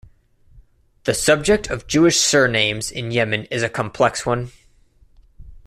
The subject of Jewish surnames in Yemen is a complex one.